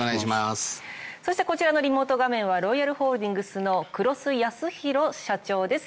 そしてこちらのリモート画面はロイヤルホールディングスの黒須康宏社長です。